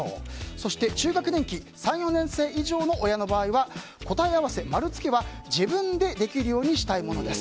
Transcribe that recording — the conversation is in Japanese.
そして中学年期３４年生の親の場合は答え合わせ、丸つけは自分でできるようにしたいものです。